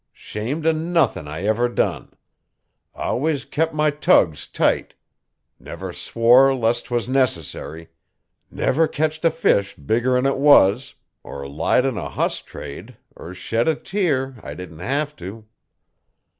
'SHAMED O'NUTHIN' I EVER DONE. ALWUSS KEP'MY TUGS TIGHT, NEVER SWORE 'LESS 'TWAS NECESSARY, NEVER KETCHED A FISH BIGGER 'N 'TWAS ER LIED 'N A HOSS TRADE ER SHED A TEAR I DIDN'T HEV TO.